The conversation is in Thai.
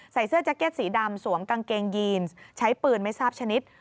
ใส่เสื้อแจ็คเก็ตสีดำสวมกางเกงยีนใช้ปืนไม่ทราบชนิด